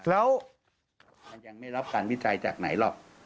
แล้วมันยังไม่รับการวิจัยจากไหนหรอก